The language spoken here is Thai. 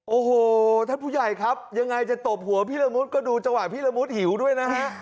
โอ้โหท่านผู้ใหญ่ครับยังไงจะตบหัวพี่ละมุดก็ดูจังหวะพี่ละมุดหิวด้วยนะฮะ